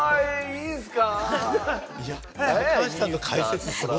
いいっすか？